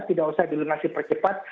tidak usah dilunasi percepat